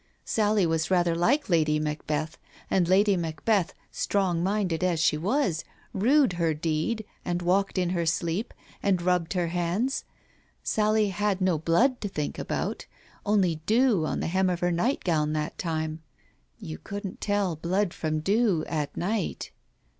Sally was rather like Lady Macbeth, and Lady Macbeth, strong minded as she was, rued her deed, and walked in her sleep, and rubbed her hands. Sally had no blood to think about — only dew on the hem of her nightgown that time. ... You couldn't tell blood from dew at night.